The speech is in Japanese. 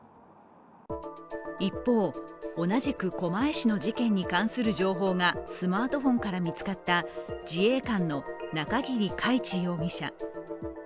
一方、同じく狛江市の事件に関する情報がスマートフォンから見つかった自衛官の中桐海知容疑者。